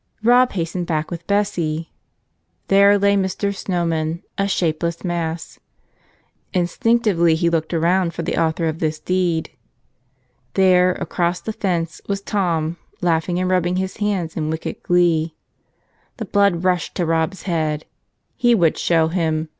Rob hastened back with Bessie. There lay Mr. Snow man, a shapeless mass. Instinctively he looked around for the author of this deed. There, across the fence, was Tom, laughing and rubbing his hands in his wicked glee. The blood rushed to Rob's head. He would show him!